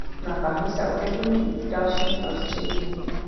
Na tahu se objevují i v dalším prostředí.